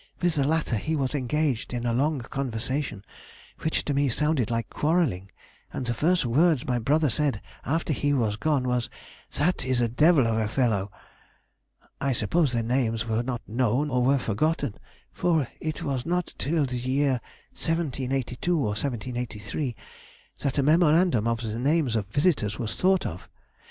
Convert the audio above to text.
With the latter he was engaged in a long conversation, which to me sounded like quarrelling, and the first words my brother said after he was gone was: 'That is a devil of a fellow.'... I suppose their names were not known, or were forgotten; for it was not till the year 1782 or 1783 that a memorandum of the names of visitors was thought of....